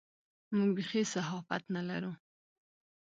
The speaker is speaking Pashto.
موږ بېخي صحافت نه لرو.